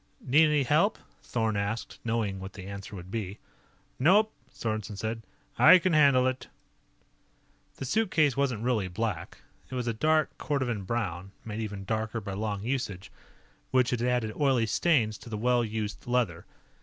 "Need any help?" Thorn asked, knowing what the answer would be. "Nope," Sorensen said. "I can handle it." The suitcase wasn't really black. It was a dark cordovan brown, made even darker by long usage, which had added oily stains to the well used leather.